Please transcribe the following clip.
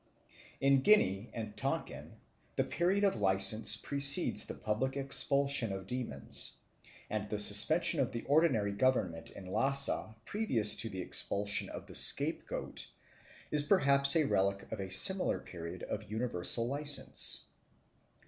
In Guinea and Tonquin the period of license precedes the public expulsion of demons; and the suspension of the ordinary government in Lhasa previous to the expulsion of the scapegoat is perhaps a relic of a similar period of universal license.